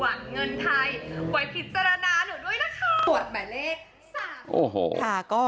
ยังไงก็ฝากใจกุ้มห้างทองหวังเงินไทยไว้พิจารณาหน่อยด้วยนะค่ะ